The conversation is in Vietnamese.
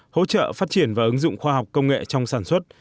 hỗ trợ phát triển và ứng dụng khoa học công nghệ trong sản xuất